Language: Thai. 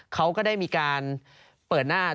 เขาก็ได้มีการเปิดหน้า